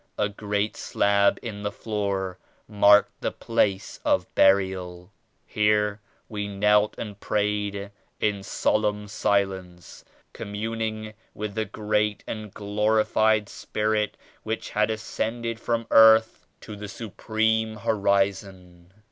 A great slab in the floor marked the place of burial. Here we knelt and prayed in solemn silence, communing with the great and glorified Spirit which had ascended from earth to the Supreme Horizon.